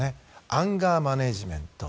アンガーマネジメント。